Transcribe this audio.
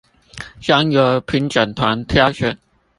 將由評審團挑選